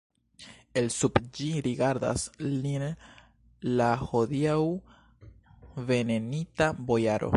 El sub ĝi rigardas lin la hodiaŭ venenita bojaro.